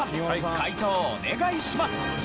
解答をお願いします。